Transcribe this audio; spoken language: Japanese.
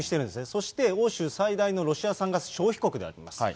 そして欧州最大のロシア産ガス消費国であります。